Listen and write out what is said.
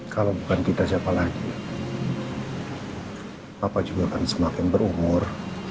kalau bukan kita siapa lagi papa juga akan semakin berumur